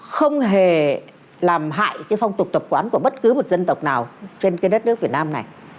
không hề làm hại cái phong tục tập quán của bất cứ một dân tộc nào trên cái đất nước việt nam này